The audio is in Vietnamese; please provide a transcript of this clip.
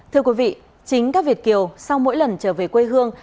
thưa quý vị chính các việt kiều sau mỗi lần trở về quê hương